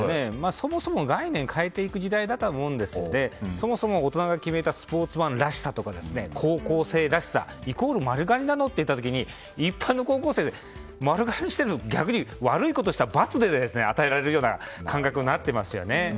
そもそも、概念を変えていく時代だと思うのでそもそも大人が決めたスポーツマンらしさだとか高校生らしさがイコール丸刈りなの？といった時に丸刈りにしていると逆に悪いことをした罰のように与えられるような感覚になっていますよね。